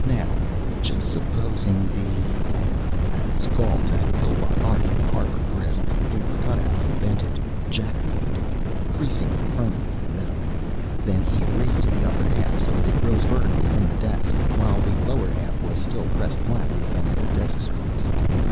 Now, just supposing the.... As Gault and Pillbot argued, Harper grasped the paper cutout, and bent it, "jacknifed" it, creasing it firmly in the middle. Then he raised the upper half so that it rose vertically from the desk, while the lower half was still pressed flatly against the desk surface.